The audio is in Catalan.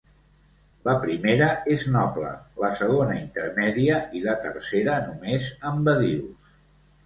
La primera és noble, la segona intermèdia i la tercera només amb badius.